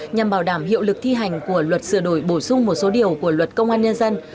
nhằm bảo đảm hiệu lực thi hành của luật sửa đổi bổ sung một số điều của luật công an nhân dân